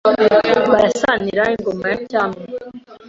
Barasanira ingoma ya cyami